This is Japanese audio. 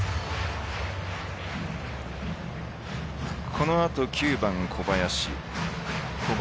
このあと９番小林。